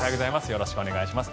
よろしくお願いします。